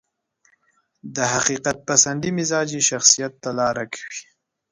د حقيقت پسندي مزاج يې شخصيت ته لاره کوي.